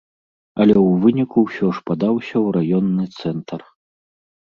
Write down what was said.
Але ў выніку ўсё ж падаўся ў раённы цэнтр.